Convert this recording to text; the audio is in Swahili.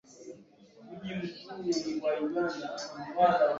Akagimwagia mvinyo mwingi kwenye jeraha lake